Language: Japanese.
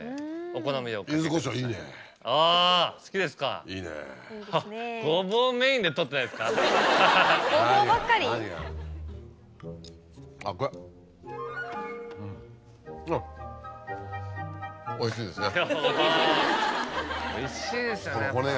おぉおいしいですよね。